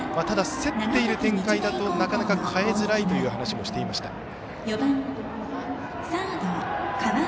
ただ、競っている展開だとなかなか代えづらいという話もしていました。